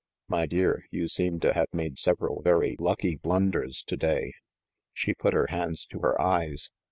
"My dear, you seem to have made several very lucky blunders to day." She put her hands to her eyes.